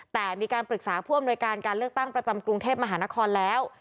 แต่มีการปรึกษาผู้อำนวยการการเลือกตั้งประจำกรุงเทพมหานครแล้ว